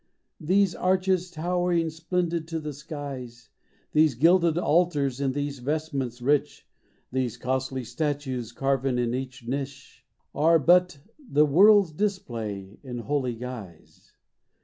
These arches towering splendid to the skies. These glided altars and these vestments rich, These costly statues carven in each niche, Are but the world's display in holy guise.